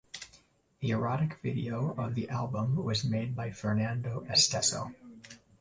The erotic video of the album was made by Fernando Esteso.